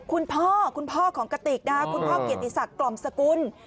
คุณพ่อคุณพ่อของกติกนะครับคุณพ่อเกียรติศักดิ์กล่อมสกุล